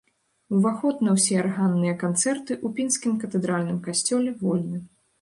Уваход на ўсе арганныя канцэрты ў пінскім катэдральным касцёле вольны.